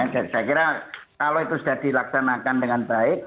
saya kira kalau itu sudah dilaksanakan dengan baik